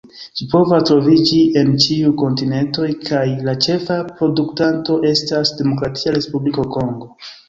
Ĝi povas troviĝi en ĉiuj kontinentoj, kaj la ĉefa produktanto estas Demokratia Respubliko Kongo.